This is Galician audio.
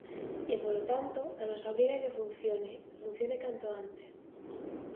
E, polo tanto, a nosa obriga é que funcione e que funcione canto antes.